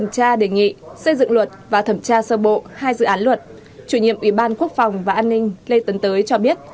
chủ nhiệm ủy ban quốc phòng và an ninh lê tấn tới cho biết